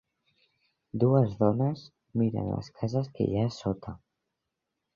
Dues dones miren les cases que hi ha a sota.